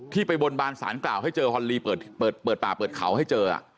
ไปบนบานสารกล่าวให้เจอฮอนลีเปิดป่าเปิดเขาให้เจอ